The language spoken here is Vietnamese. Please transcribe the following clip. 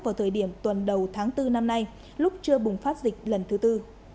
vào thời điểm tuần đầu tháng bốn năm nay lúc chưa bùng phát dịch lần thứ tư